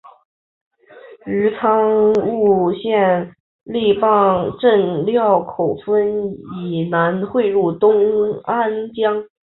于苍梧县梨埠镇料口村以南汇入东安江。